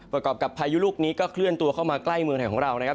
ประกอบกับพายุลูกนี้ก็เคลื่อนตัวเข้ามาใกล้เมืองไทยของเรานะครับ